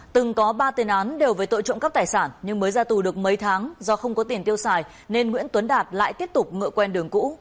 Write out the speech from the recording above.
từng có ba tiền án đều với tội trộm cắp tài sản nhưng mới ra tù được mấy tháng do không có tiền tiêu xài nên nguyễn tuấn đạt lại tiếp tục ngựa quen đường cũ